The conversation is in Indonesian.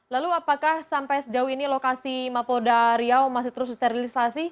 lalu apakah sampai sejauh ini lokasi mapolda riau masih terus disterilisasi